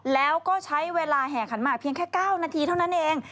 แล้วก็ใช้เวลาแห่ขันหมากเพียงแค่๙นาทีเท่านั้นเอง